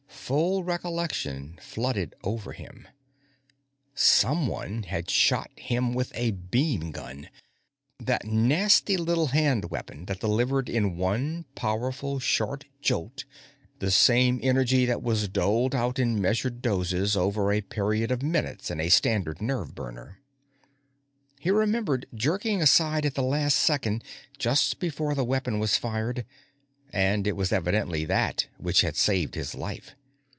Full recollection flooded over him. Someone had shot him with a beamgun, that nasty little handweapon that delivered in one powerful, short jolt the same energy that was doled out in measured doses over a period of minutes in a standard nerve burner. He remembered jerking aside at the last second, just before the weapon was fired, and it was evidently that which had saved his life.